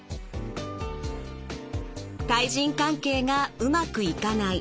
対人関係がうまくいかない。